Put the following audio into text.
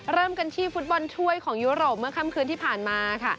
เริ่มกันที่ฟุตบอลถ้วยของยุโรปเมื่อค่ำคืนที่ผ่านมาค่ะ